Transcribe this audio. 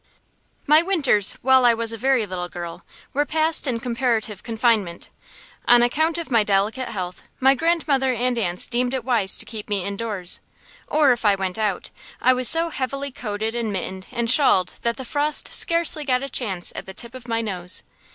My winters, while I was a very little girl, were passed in comparative confinement. On account of my delicate health, my grandmother and aunts deemed it wise to keep me indoors; or if I went out, I was so heavily coated and mittened and shawled that the frost scarcely got a chance at the tip of my nose.